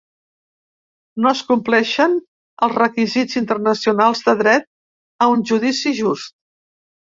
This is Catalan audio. No es compleixen els requisits internacionals de dret a un judici just